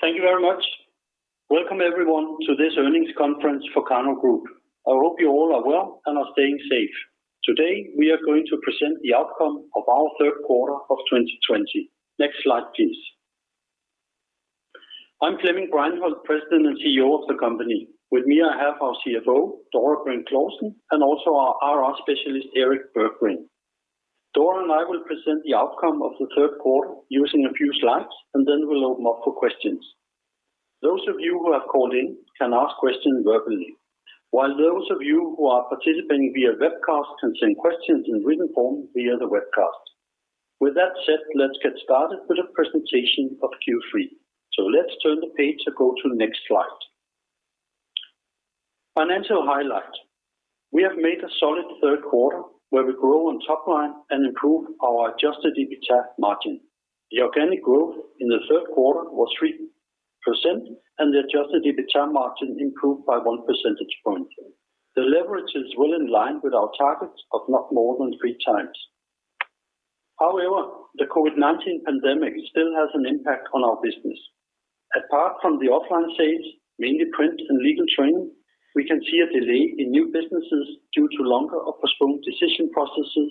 Thank you very much. Welcome, everyone, to this earnings conference for Karnov Group. I hope you all are well and are staying safe. Today, we are going to present the outcome of our third quarter of 2020. Next slide, please. I'm Flemming Breinholt, President and CEO of the company. With me, I have our CFO, Dora Brink Clausen, and also our IR specialist, Erik Berggren. Dora and I will present the outcome of the third quarter using a few slides, and then we'll open up for questions. Those of you who have called in can ask questions verbally, while those of you who are participating via webcast can send questions in written form via the webcast. With that said, let's get started with the presentation of Q3. Let's turn the page to go to the next slide. Financial highlight. We have made a solid third quarter, where we grow on top line and improve our adjusted EBITDA margin. The organic growth in the third quarter was 3%, and the adjusted EBITDA margin improved by 1 percentage point. The leverage is well in line with our targets of not more than three times. However, the COVID-19 pandemic still has an impact on our business. Apart from the offline sales, mainly print and legal training, we can see a delay in new businesses due to longer or postponed decision processes,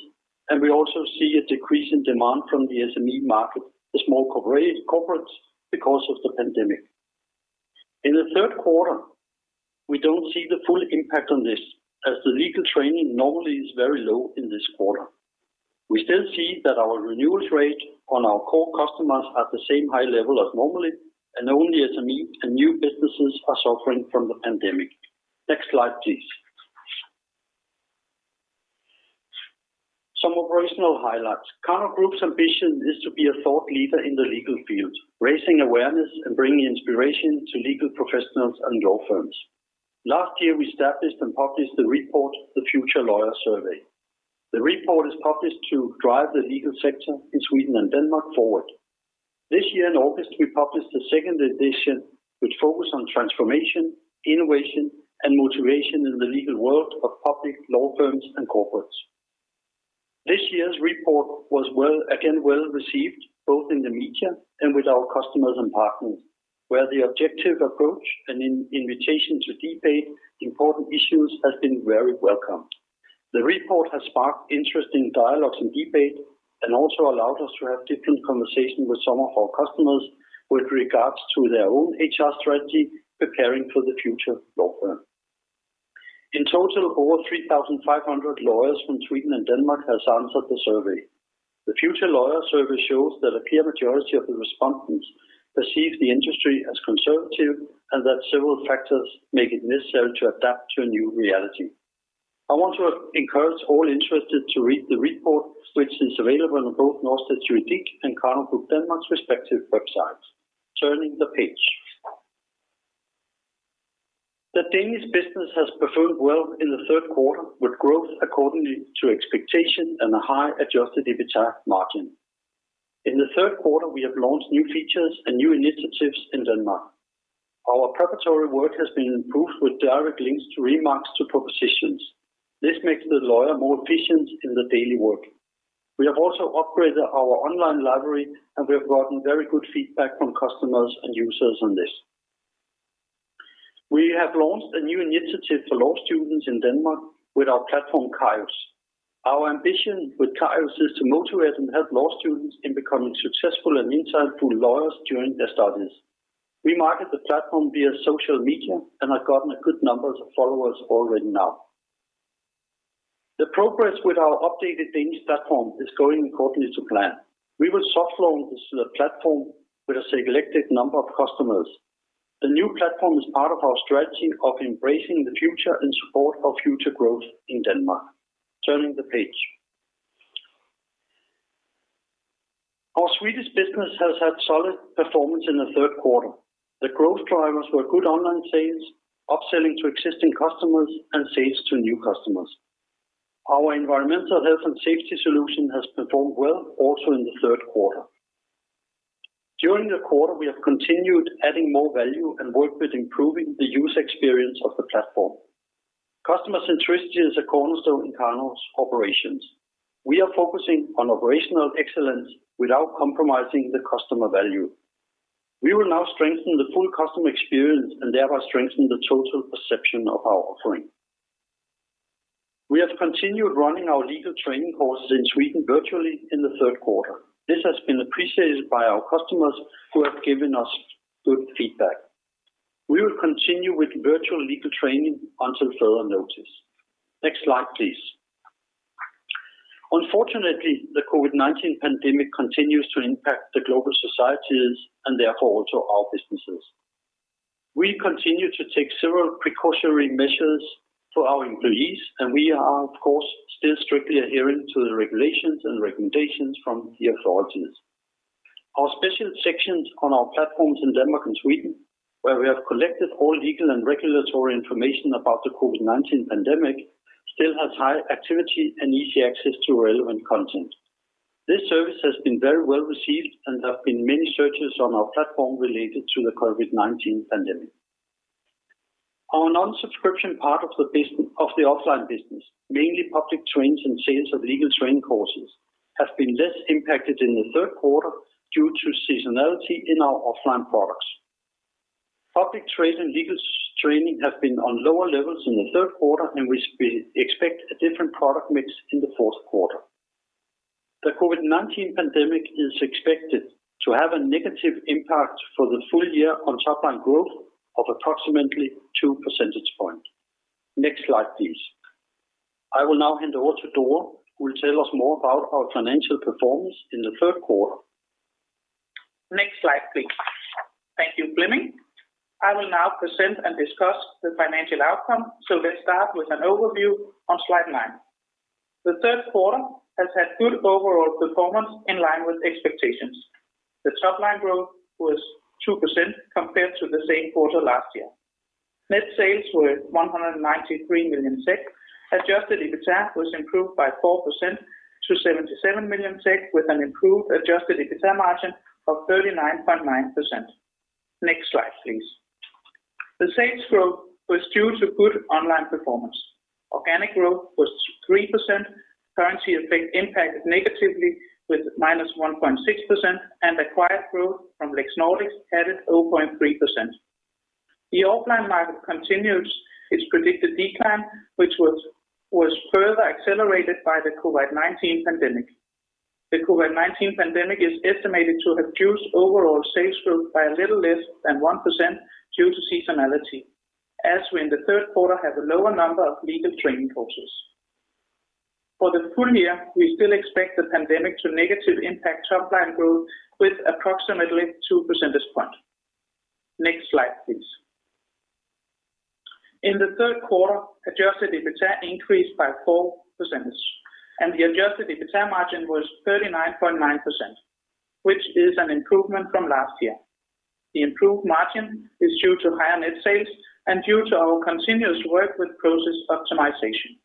and we also see a decrease in demand from the SME market, the small corporates, because of the pandemic. In the third quarter, we don't see the full impact on this, as the legal training normally is very low in this quarter. We still see that our renewals rate on our core customers are the same high level as normally, and only SME and new businesses are suffering from the pandemic. Next slide, please. Some operational highlights. Karnov Group's ambition is to be a thought leader in the legal field, raising awareness and bringing inspiration to legal professionals and law firms. Last year, we established and published the report, The Future Lawyer Survey. The report is published to drive the legal sector in Sweden and Denmark forward. This year in August, we published the second edition, which focused on transformation, innovation, and motivation in the legal world of public law firms and corporates. This year's report was again well-received, both in the media and with our customers and partners, where the objective approach and invitation to debate important issues has been very welcomed. The report has sparked interest in dialogues and debate, and also allowed us to have different conversation with some of our customers with regards to their own HR strategy preparing for the future law firm. In total, over 3,500 lawyers from Sweden and Denmark has answered the survey. The Future Lawyer Survey shows that a clear majority of the respondents perceive the industry as conservative, and that several factors make it necessary to adapt to a new reality. I want to encourage all interested to read the report, which is available on both Norstedts Juridik and Karnov Group Denmark's respective websites. Turning the page. The Danish business has performed well in the third quarter, with growth according to expectation and a high adjusted EBITDA margin. In the third quarter, we have launched new features and new initiatives in Denmark. Our preparatory work has been improved with direct links to remarks to propositions. This makes the lawyer more efficient in the daily work. We have also upgraded our online library, and we have gotten very good feedback from customers and users on this. We have launched a new initiative for law students in Denmark with our platform KAILA. Our ambition with KAILA is to motivate and help law students in becoming successful and insightful lawyers during their studies. We market the platform via social media and have gotten a good number of followers already now. The progress with our updated Danish platform is going according to plan. We will soft launch this platform with a selected number of customers. The new platform is part of our strategy of embracing the future in support of future growth in Denmark. Turning the page. Our Swedish business has had solid performance in the third quarter. The growth drivers were good online sales, upselling to existing customers, and sales to new customers. Our environmental health and safety solution has performed well also in the third quarter. During the quarter, we have continued adding more value and worked with improving the user experience of the platform. Customer centricity is a cornerstone in Karnov's operations. We are focusing on operational excellence without compromising the customer value. We will now strengthen the full customer experience and thereby strengthen the total perception of our offering. We have continued running our legal training courses in Sweden virtually in the third quarter. This has been appreciated by our customers, who have given us good feedback. We will continue with virtual legal training until further notice. Next slide, please. Unfortunately, the COVID-19 pandemic continues to impact the global societies and therefore also our businesses. We continue to take several precautionary measures for our employees, and we are, of course, still strictly adhering to the regulations and recommendations from the authorities. Our special sections on our platforms in Denmark and Sweden, where we have collected all legal and regulatory information about the COVID-19 pandemic, still has high activity and easy access to relevant content. This service has been very well received and there have been many searches on our platform related to the COVID-19 pandemic. Our non-subscription part of the offline business, mainly public trainings and sales of legal training courses, have been less impacted in the third quarter due to seasonality in our offline products. Public trade and legal training have been on lower levels in the third quarter, and we expect a different product mix in the fourth quarter. The COVID-19 pandemic is expected to have a negative impact for the full year on top line growth of approximately two percentage points. Next slide, please. I will now hand over to Dora, who will tell us more about our financial performance in the third quarter. Next slide, please. Thank you, Flemming. I will now present and discuss the financial outcome, so let's start with an overview on slide nine. The third quarter has had good overall performance in line with expectations. The top line growth was 2% compared to the same quarter last year. Net sales were 193 million. Adjusted EBITA was improved by 4% to 77 million, with an improved adjusted EBITA margin of 39.9%. Next slide, please. The sales growth was due to good online performance. Organic growth was 3%, currency effect impacted negatively with -1.6%, and acquired growth from LEXNordics added 0.3%. The offline market continues its predicted decline, which was further accelerated by the COVID-19 pandemic. The COVID-19 pandemic is estimated to have reduced overall sales growth by a little less than 1% due to seasonality, as we in the third quarter have a lower number of legal training courses. For the full year, we still expect the pandemic to negatively impact top line growth with approximately two percentage points. Next slide, please. In the third quarter, adjusted EBITA increased by 4%, and the adjusted EBITA margin was 39.9%, which is an improvement from last year. The improved margin is due to higher net sales and due to our continuous work with process optimization.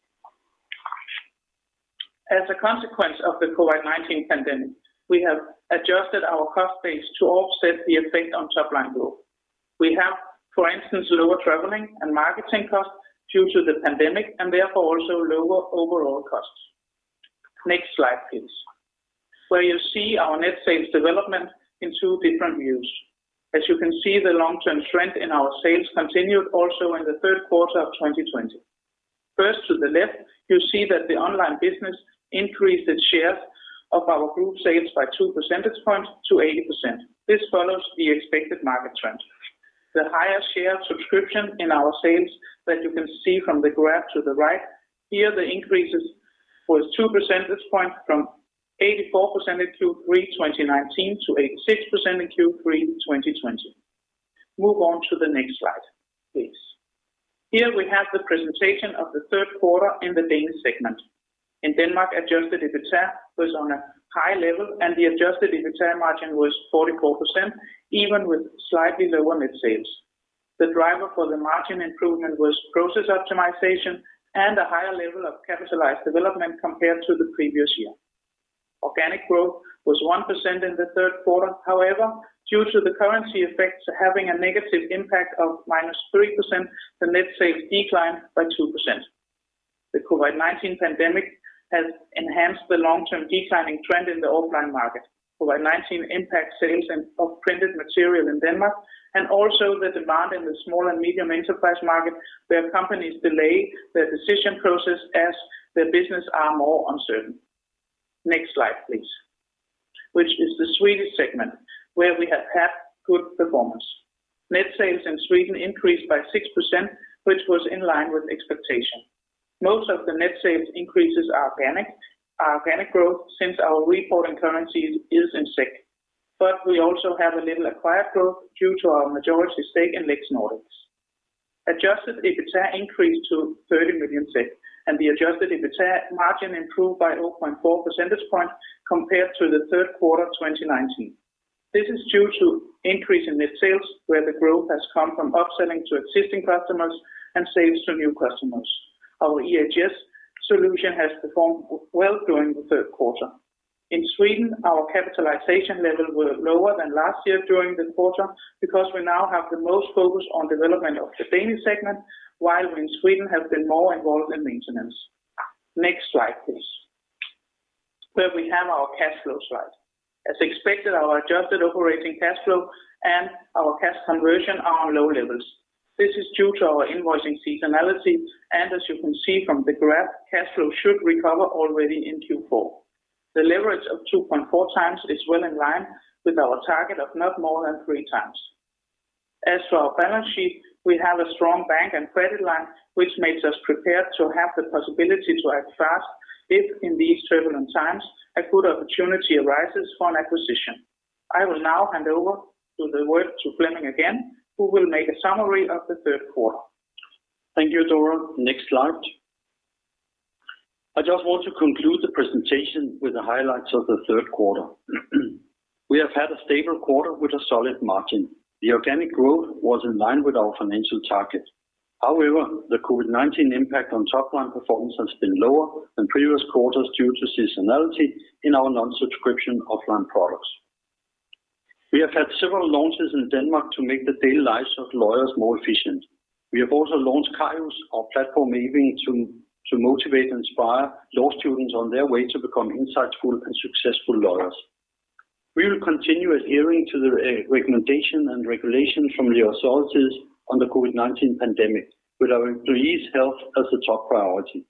As a consequence of the COVID-19 pandemic, we have adjusted our cost base to offset the effect on top line growth. We have, for instance, lower traveling and marketing costs due to the pandemic, and therefore, also lower overall costs. Next slide, please, where you'll see our net sales development in two different views. As you can see, the long-term trend in our sales continued also in the third quarter of 2020. First, to the left, you see that the online business increased its shares of our group sales by 2 percentage points to 80%. This follows the expected market trend. The higher share subscription in our sales that you can see from the graph to the right here, the increase was 2 percentage points from 84% in Q3 2019 to 86% in Q3 2020. Move on to the next slide, please. Here we have the presentation of the third quarter in the Danish segment. In Denmark, adjusted EBITA was on a high level, and the adjusted EBITA margin was 44%, even with slightly lower net sales. The driver for the margin improvement was process optimization and a higher level of capitalized development compared to the previous year. Organic growth was 1% in the third quarter. Due to the currency effects having a negative impact of -3%, the net sales declined by 2%. The COVID-19 pandemic has enhanced the long-term declining trend in the offline market. COVID-19 impacts sales of printed material in Denmark and also the demand in the small and medium enterprise market, where companies delay their decision process as their business are more uncertain. Next slide, please, which is the Swedish segment, where we have had good performance. Net sales in Sweden increased by 6%, which was in line with expectation. Most of the net sales increases are organic growth since our reporting currency is in SEK. We also have a little acquired growth due to our majority stake in LEXNordics. Adjusted EBITA increased to 30 million. The adjusted EBITA margin improved by 0.4 percentage points compared to the third quarter of 2019. This is due to increase in net sales, where the growth has come from upselling to existing customers and sales to new customers. Our EHS solution has performed well during the third quarter. In Sweden, our capitalization level were lower than last year during the quarter because we now have the most focus on development of the Danish segment, while we in Sweden have been more involved in maintenance. Next slide, please, where we have our cash flow slide. As expected, our adjusted operating cash flow and our cash conversion are on low levels. This is due to our invoicing seasonality. As you can see from the graph, cash flow should recover already in Q4. The leverage of 2.4x is well in line with our target of not more than 3x. As for our balance sheet, we have a strong bank and credit line, which makes us prepared to have the possibility to act fast if in these turbulent times a good opportunity arises for an acquisition. I will now hand over the word to Flemming again, who will make a summary of the third quarter. Thank you, Dora. Next slide. I just want to conclude the presentation with the highlights of the third quarter. We have had a stable quarter with a solid margin. The organic growth was in line with our financial target. However, the COVID-19 impact on top-line performance has been lower than previous quarters due to seasonality in our non-subscription offline products. We have had several launches in Denmark to make the daily lives of lawyers more efficient. We have also launched KAILA, our platform aiming to motivate and inspire law students on their way to become insightful and successful lawyers. We will continue adhering to the recommendation and regulation from the authorities on the COVID-19 pandemic, with our employees' health as a top priority.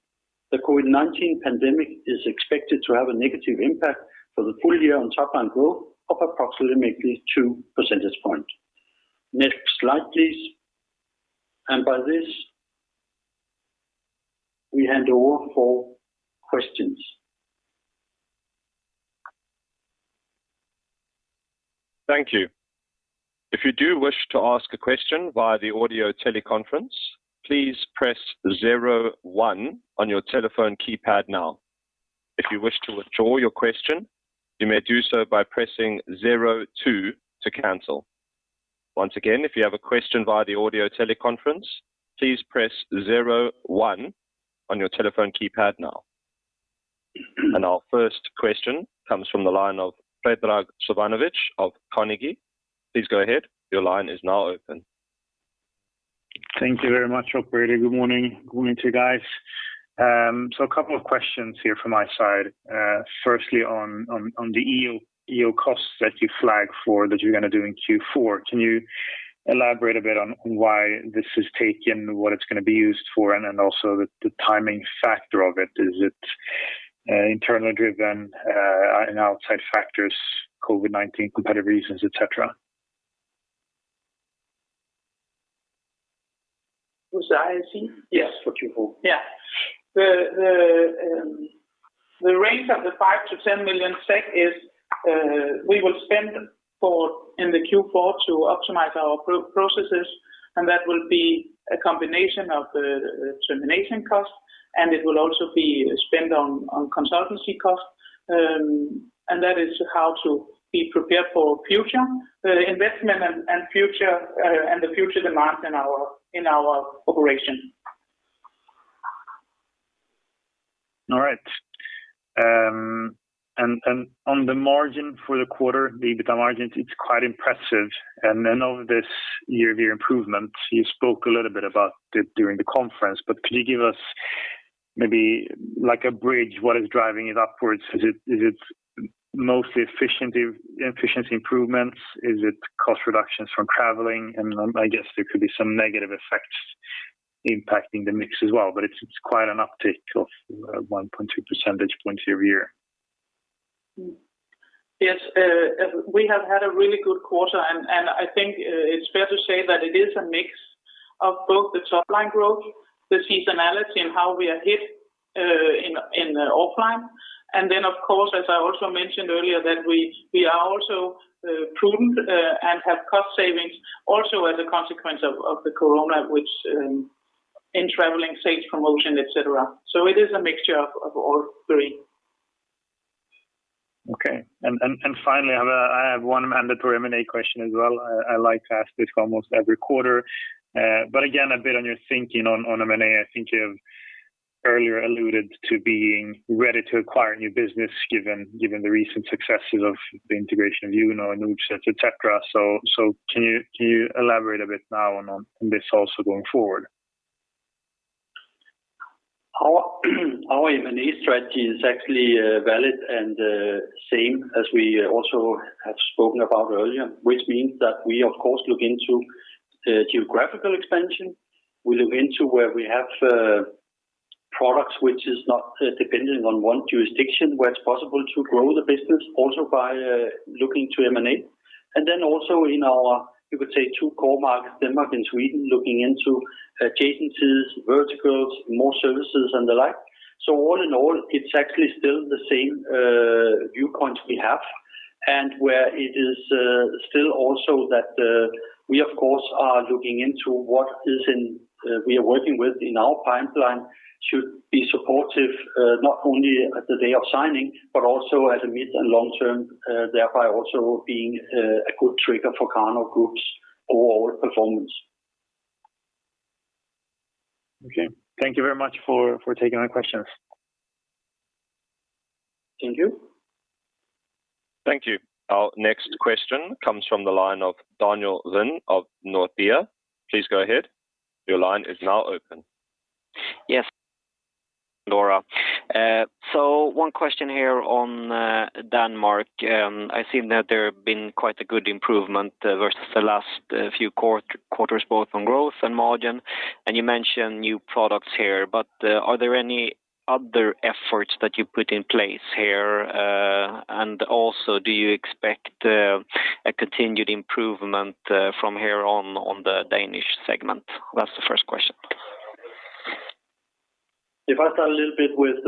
The COVID-19 pandemic is expected to have a negative impact for the full year on top line growth of approximately two percentage points. Next slide, please. By this, we handle all four questions. Thank you. If you do wish to ask a question via the audio teleconference, please press zero one on your telephone keypad now. If you wish to withdraw your question, you may do so by pressing zero two to cancel. Once again, if you have a question via the audio teleconference, please press zero one on your telephone keypad now. Our first question comes from the line of Predrag Savinovic of Carnegie. Please go ahead. Your line is now open. Thank you very much, operator. Good morning to you guys. A couple of questions here from my side. Firstly, on the EO cost that you flagged for that you're going to do in Q4, can you elaborate a bit on why this is taken, what it's going to be used for, and then also the timing factor of it. Is it internal driven and outside factors, COVID-19 competitive reasons, et cetera? Was that IAC? Yes, for Q4. The range of the 5 million-10 million SEK is, we will spend in the Q4 to optimize our processes, and that will be a combination of the termination cost, and it will also be spent on consultancy cost. That is how to be prepared for future investment and the future demand in our operation. All right. On the margin for the quarter, the EBITDA margin, it's quite impressive. Of this year view improvement, you spoke a little bit about it during the conference, but could you give us maybe like a bridge, what is driving it upwards? Is it mostly efficiency improvements? Is it cost reductions from traveling? I guess there could be some negative effects impacting the mix as well, but it's quite an uptick of 1.2 percentage points year-over-year. Yes. We have had a really good quarter, and I think it's fair to say that it is a mix of both the top line growth, the seasonality, and how we are hit in the offline. Then, of course, as I also mentioned earlier, that we are also prudent and have cost savings also as a consequence of the COVID-19, which in traveling, sales promotion, et cetera. It is a mixture of all three. Okay. Finally, I have one under for M&A question as well. I like to ask this almost every quarter. Again, a bit on your thinking on M&A. I think you have earlier alluded to being ready to acquire new business given the recent successes of the integration of JUNO, et cetera. Can you elaborate a bit now on this also going forward? Our M&A strategy is actually valid and the same as we also have spoken about earlier, which means that we, of course, look into geographical expansion. We look into where we have products which is not dependent on one jurisdiction, where it's possible to grow the business also by looking to M&A. Then also in our, you could say, two core markets, Denmark and Sweden, looking into adjacencies, verticals, more services, and the like. All in all, it's actually still the same viewpoints we have, and where it is still also that we, of course, are looking into what we are working with in our pipeline should be supportive, not only at the day of signing, but also at the mid and long term, thereby also being a good trigger for Karnov Group's overall performance. Okay. Thank you very much for taking my questions. Thank you. Thank you. Our next question comes from the line of Daniel Ovin of Nordea. Please go ahead. Yes. Dora. One question here on Denmark. I've seen that there have been quite a good improvement versus the last few quarters, both on growth and margin. You mentioned new products here. Are there any other efforts that you put in place here? Do you expect a continued improvement from here on the Danish segment? That's the first question. If I start a little bit with,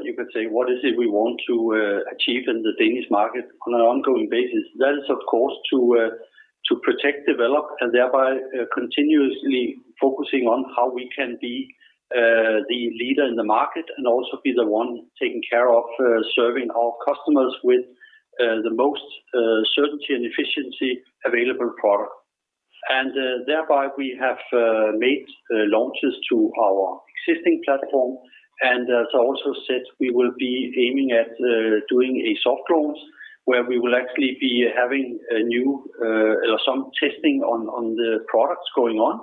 you could say, what is it we want to achieve in the Danish market on an ongoing basis, that is, of course, to protect, develop, and thereby continuously focusing on how we can be the leader in the market and also be the one taking care of serving our customers with the most certainty and efficiency available product. Thereby we have made launches to our existing platform. As I also said, we will be aiming at doing a soft launch, where we will actually be having some testing on the products going on,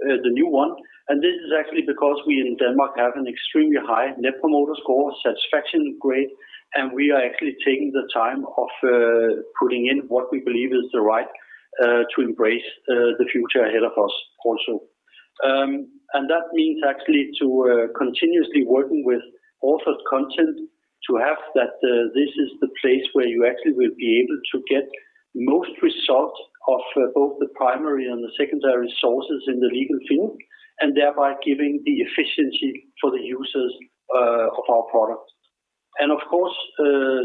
the new one. This is actually because we in Denmark have an extremely high Net Promoter Score satisfaction grade, and we are actually taking the time of putting in what we believe is the right to embrace the future ahead of us also. That means actually to continuously working with authors content to have that this is the place where you actually will be able to get most results of both the primary and the secondary sources in the legal field, and thereby giving the efficiency for the users of our product. Of course,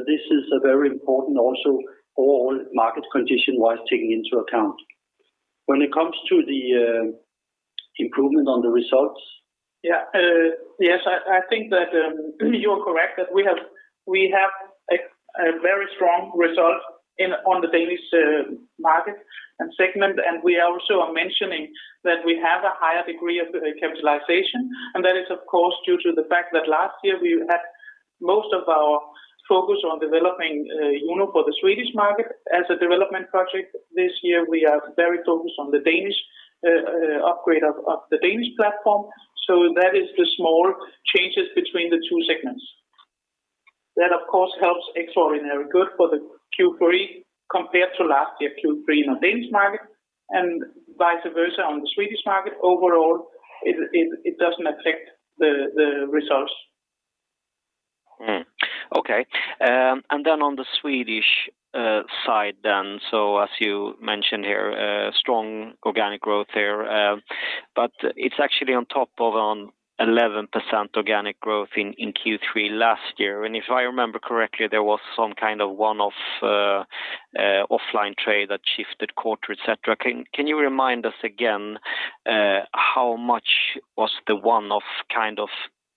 this is very important also overall market condition-wise taking into account. When it comes to the improvement on the results. Yes. I think that you are correct, that we have a very strong result on the Danish market and segment, and we also are mentioning that we have a higher degree of capitalization. That is, of course, due to the fact that last year we had most of our focus on developing JUNO for the Swedish market as a development project. This year, we are very focused on the Danish upgrade of the Danish platform. That is the small changes between the two segments. That, of course, helps extraordinarily good for the Q3 compared to last year Q3 in the Danish market and vice versa on the Swedish market. Overall, it doesn't affect the results. Okay. Then on the Swedish side then, as you mentioned here, strong organic growth there. It's actually on top of an 11% organic growth in Q3 last year. If I remember correctly, there was some kind of one-off offline trade that shifted quarter, et cetera. Can you remind us again, how much was the one-off kind of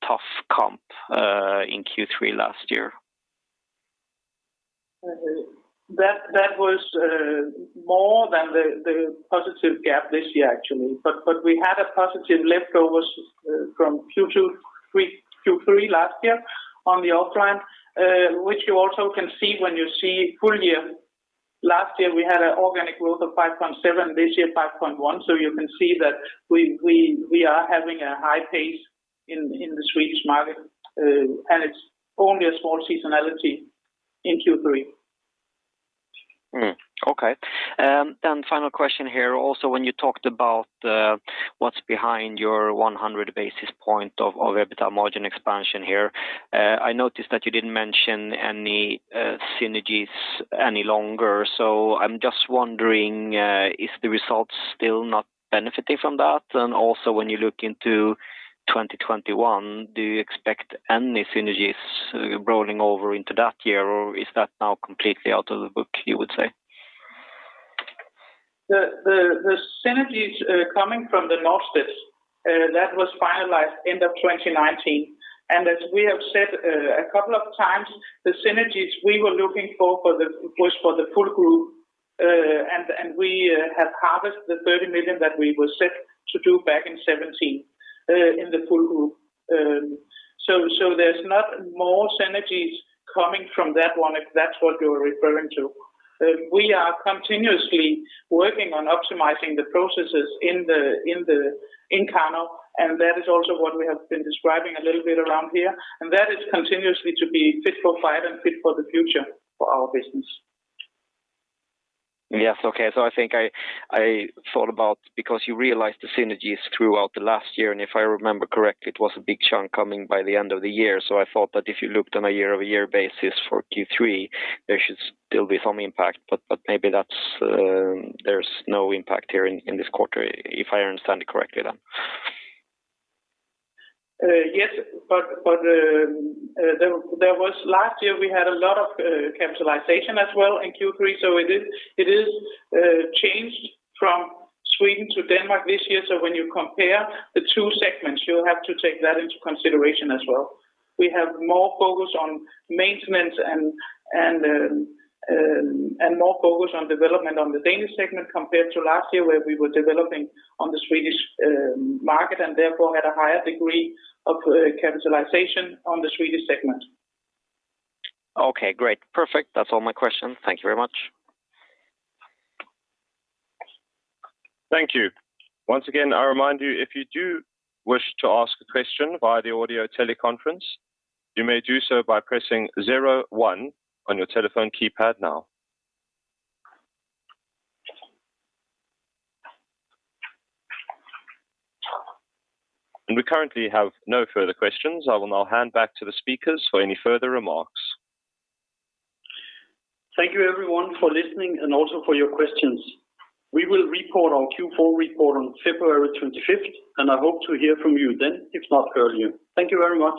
tough comp in Q3 last year? That was more than the positive gap this year, actually. We had a positive leftovers from Q2, Q3 last year on the offline, which you also can see when you see full year. Last year, we had an organic growth of 5.7%, this year, 5.1%. You can see that we are having a high pace in the Swedish market, and it's only a small seasonality in Q3. Okay. Final question here. When you talked about what's behind your 100 basis point of EBITDA margin expansion here, I noticed that you didn't mention any synergies any longer. I'm just wondering if the results still not benefiting from that? When you look into 2021, do you expect any synergies rolling over into that year, or is that now completely out of the book, you would say? The synergies coming from Norstedts that was finalized end of 2019. As we have said a couple of times, the synergies we were looking for the push for the full group, and we have harvested the 30 million that we were set to do back in 2017 in the full group. There's not more synergies coming from that one, if that's what you're referring to. We are continuously working on optimizing the processes in Karnov, and that is also what we have been describing a little bit around here, and that is continuously to be fit for fight and fit for the future for our business. Yes, okay. I think I thought about because you realized the synergies throughout the last year, and if I remember correctly, it was a big chunk coming by the end of the year. I thought that if you looked on a year-over-year basis for Q3, there should still be some impact, but maybe there's no impact here in this quarter, if I understand it correctly then. Yes, last year we had a lot of capitalization as well in Q3. It is changed from Sweden to Denmark this year. When you compare the two segments, you have to take that into consideration as well. We have more focus on maintenance and more focus on development on the Danish segment compared to last year where we were developing on the Swedish market and therefore had a higher degree of capitalization on the Swedish segment. Okay, great. Perfect. That is all my questions. Thank you very much. Thank you. Once again, I remind you, if you do wish to ask a question via the audio teleconference, you may do so by pressing zero one on your telephone keypad now. We currently have no further questions. I will now hand back to the speakers for any further remarks. Thank you everyone for listening and also for your questions. We will report our Q4 report on February 25th. I hope to hear from you then, if not earlier. Thank you very much.